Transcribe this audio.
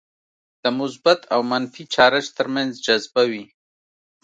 د مثبت او منفي چارج ترمنځ جذبه وي.